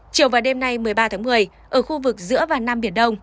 chiều và đêm nay một mươi ba tháng một mươi ở khu vực giữa và nam biển đông